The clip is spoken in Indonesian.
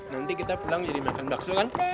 nanti kita pulang jadi makan bakso kan